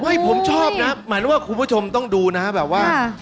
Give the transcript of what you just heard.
ไม่ผมชอบนะหมายถึงว่าคุณผู้ชมต้องดูนะแบบว่า